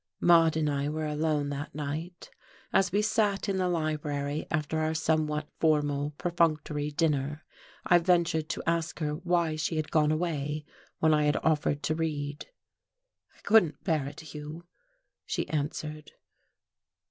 Maude and I were alone that night. As we sat in the library after our somewhat formal, perfunctory dinner, I ventured to ask her why she had gone away when I had offered to read. "I couldn't bear it, Hugh," she answered.